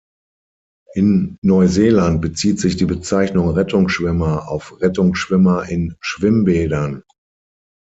In Neuseeland bezieht sich die Bezeichnung Rettungsschwimmer auf Rettungsschwimmer in Schwimmbädern.